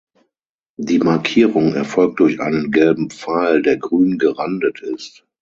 Die Markierung erfolgt durch einen gelben Pfeil, der grün gerandet ist.